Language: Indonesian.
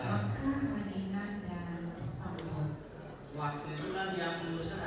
waktu itu kan tiap minggu kan ada saudara